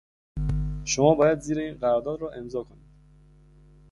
شما باید زیر این قرارداد را امضا کنید.